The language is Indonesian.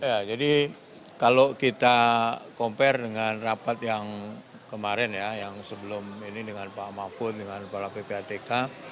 ya jadi kalau kita compare dengan rapat yang kemarin ya yang sebelum ini dengan pak mahfud dengan kepala ppatk